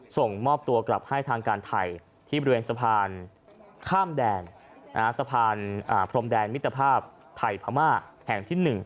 ส่งมอบตัวกลับให้ทางการไทยที่บริเวณสะพานข้ามแดนสะพานพรมแดนมิตรภาพไทยพม่าแห่งที่๑